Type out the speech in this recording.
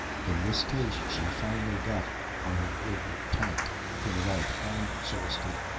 In this chase she finally got on her good tack in the night, and so escaped.